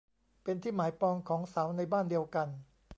เป็นที่หมายปองของสาวในบ้านเดียวกัน